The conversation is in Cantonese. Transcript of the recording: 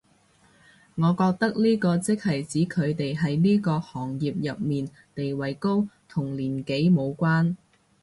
我覺得呢個即係指佢哋喺呢個行業入面地位高，同年紀無關